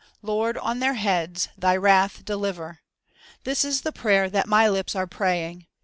"Lord, on their heads Thy wrath deliver. This is the prayer that my lips are praying.